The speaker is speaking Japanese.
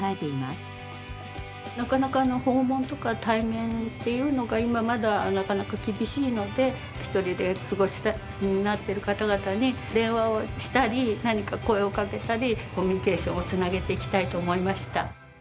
訪問とか対面っていうのが今まだなかなか厳しいので一人でお過ごしになってる方々に電話をしたり何か声をかけたりコミュニケーションを繋げていきたいと思いました。